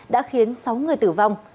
đã khiến sáu người tử vong